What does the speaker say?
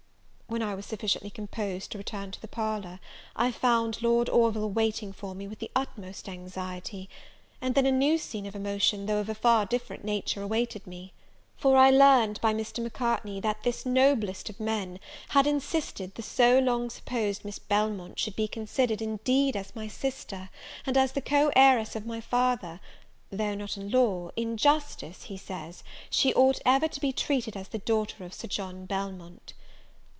When I was sufficiently composed to return to the parlour, I found Lord Orville waiting for me with the utmost anxiety: and then a new scene of emotion, though of a far different nature, awaited me; for I learned by Mr. Macartney, that this noblest of men had insisted the so long supposed Miss Belmont should be considered, indeed, as my sister, and as the co heiress of my father; though not in law, in justice, he says, she ought ever to be treated as the daughter of Sir John Belmont.